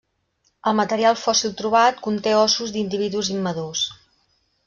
El material fòssil trobat conté ossos d'individus immadurs.